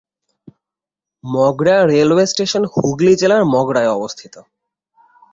Mogra railway station Hooghly জেলার মগরায় অবস্থিত।